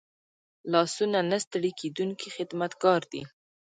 لاسونه نه ستړي کېدونکي خدمتګار دي